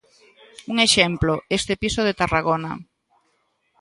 Un exemplo, este piso de Tarragona.